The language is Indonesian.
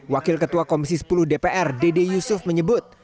wakil ketua komisi sepuluh dpr dede yusuf menyebut